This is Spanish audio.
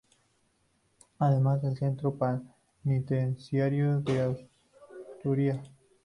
Además del Centro Penitenciario de Asturias.